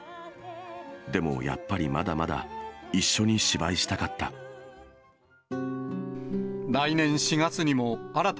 でも、やっぱりまだまだ、一緒に芝居したかった。